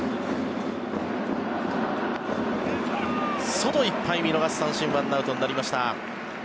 外いっぱい見逃し三振１アウトになりました。